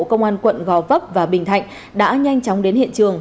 công an quận gò vấp và bình thạnh đã nhanh chóng đến hiện trường